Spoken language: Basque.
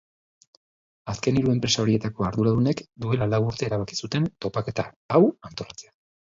Azken hiru enpresa horietako arduradunek duela lau urte erabaki zuten topaketa hau antolatzea.